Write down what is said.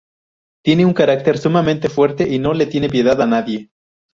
Tiene un carácter sumamente fuerte y no le tiene piedad a nadie.